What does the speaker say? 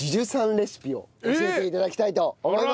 レシピを教えて頂きたいと思います。